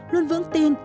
luôn vững tin